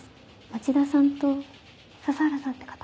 町田さんと佐々原さんって方。